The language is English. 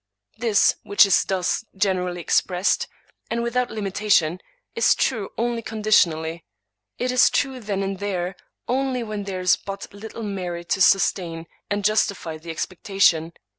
This, which is thus generally expressed, and without limitation, is true only conditionally ; it is true then and there only where there is but little merit to sustain and justify the expectation.